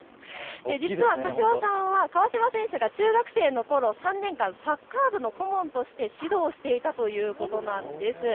実は柏さんは川島選手が中学生のころ３年間、サッカー部の顧問として指導していた方なんです。